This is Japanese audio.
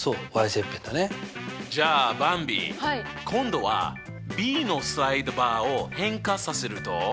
今度はｂのスライドバーを変化させると？